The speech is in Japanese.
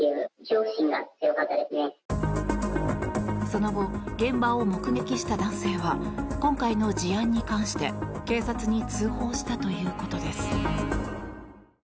その後、現場を目撃した男性は今回の事案に関して警察に通報したということです。